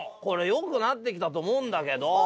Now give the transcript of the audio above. これよくなってきたと思うんだけど。